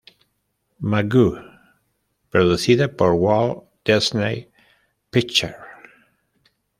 Magoo, producida por Walt Disney Pictures.